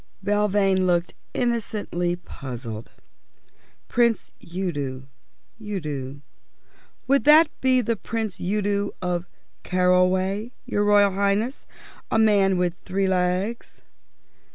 Belvane looked innocently puzzled. "Prince Udo Udo would that be Prince Udo of Carroway, your Royal Highness? A tall man with three legs?"